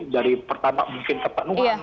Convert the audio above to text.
dari pertama mungkin kepenuhan